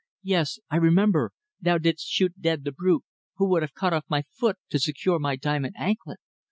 "Yes, I remember, thou didst shoot dead the brute who would have cut off my foot to secure my diamond anklet.